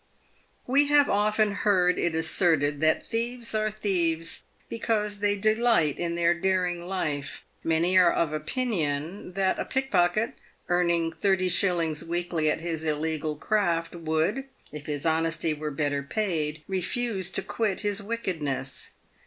"We have often heard it asserted that thieves are thieves because they delight in their daring life. Many are of opinion that a pick pocket, earning thirty shillings weekly at his illegal craft, would, if his honesty were better paid, refuse to quit his wickedness.